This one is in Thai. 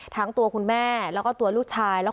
ทั้งตัวคุณแม่แล้วก็ตัวลูกชาย